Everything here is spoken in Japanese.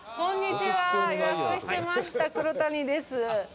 予約してました黒谷です。